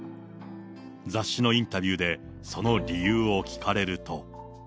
雑誌のインタビューで、その理由を聞かれると。